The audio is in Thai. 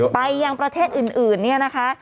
ไปยังประเทศอื่นนะคะ